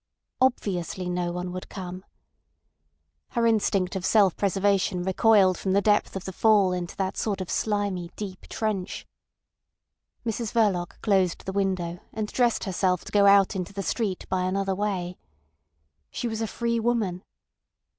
Obviously no one would come. Her instinct of self preservation recoiled from the depth of the fall into that sort of slimy, deep trench. Mrs Verloc closed the window, and dressed herself to go out into the street by another way. She was a free woman.